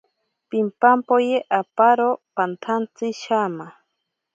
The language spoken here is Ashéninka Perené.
Pimpampoye aparo pantsantsi shama.